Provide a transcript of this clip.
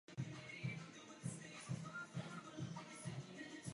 Hladík je bývalým mládežnickým reprezentantem.